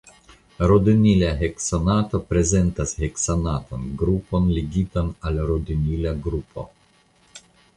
Rodinila heksanato prezentas heksanatan grupon ligitan al rodinila grupo.